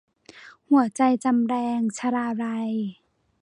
หัวใจจำแลง - ชลาลัย